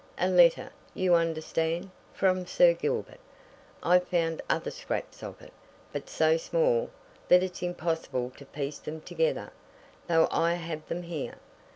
A letter, you understand, from Sir Gilbert I found other scraps of it, but so small that it's impossible to piece them together, though I have them here.